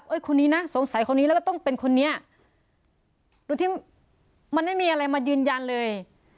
คนนี้นะสงสัยคนนี้แล้วก็ต้องเป็นคนนี้โดยที่มันไม่มีอะไรมายืนยันเลย